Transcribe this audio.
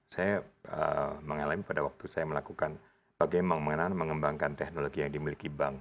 saya mengalami pada waktu saya melakukan bagaimana mengembangkan teknologi yang dimiliki bank